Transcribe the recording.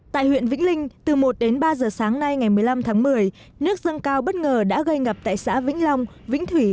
tại huyện vĩnh linh từ một đến ba giờ sáng nay ngày một mươi năm tháng một mươi nước dâng cao bất ngờ đã gây ngập tại xã vĩnh long vĩnh thủy